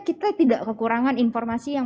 kita tidak kekurangan informasi yang